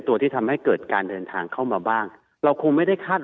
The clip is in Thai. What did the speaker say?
ตัวที่ทำให้เกิดการเดินทางเข้ามาบ้างเราคงไม่ได้คาด